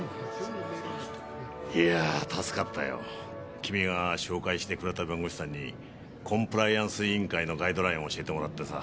君が紹介してくれた弁護士さんにコンプライアンス委員会のガイドラインを教えてもらってさ。